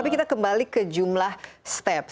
tapi kita kembali ke jumlah step